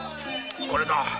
これだあ！